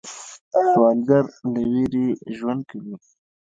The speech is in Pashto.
سوالګر له ویرې ژوند کوي